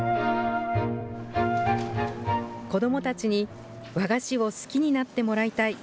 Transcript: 子どもたちに和菓子を好きになってもらいたい。